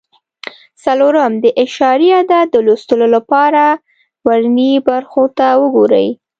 څلورم: د اعشاري عدد د لوستلو لپاره ورنیي برخو ته وګورئ.